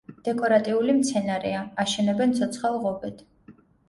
დეკორატიული მცენარეა, აშენებენ ცოცხალ ღობედ.